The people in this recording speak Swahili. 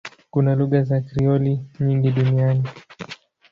Kuna lugha za Krioli nyingi duniani.